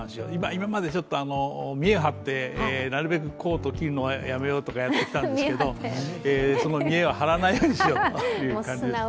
今まで見えを張ってなるべくコートを着るのをやめようとやってきたんですけど見栄は張らないようにしようという感じです。